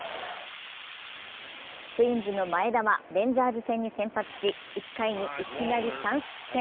ツインズの前田はレンジャーズ戦に先発し１回にいきなり３失点。